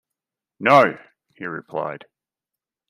'No!’ he replied.